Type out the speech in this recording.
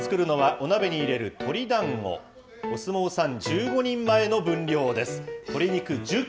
お相撲さん１５人前の分量です。